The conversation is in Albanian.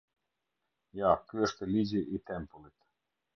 Ja, ky është ligji i tempullit.